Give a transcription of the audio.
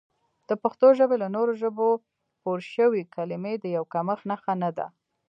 د پښتو ژبې له نورو ژبو پورشوي کلمې د یو کمښت نښه نه ده